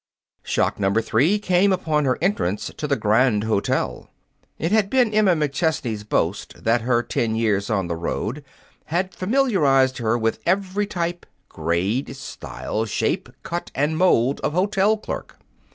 Shock number three came upon her entrance at the Grande Hotel. It had been Emma McChesney's boast that her ten years on the road had familiarized her with every type, grade, style, shape, cut, and mold of hotel clerk.